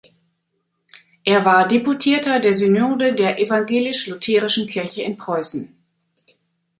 Er war Deputierter der Synode der Evangelisch-Lutherischen Kirche in Preußen.